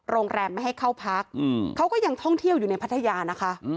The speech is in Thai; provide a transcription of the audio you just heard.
โรงแรมไม่ให้เข้าพักเขาก็ยังท่องเที่ยวอยู่ในพัทยานะคะ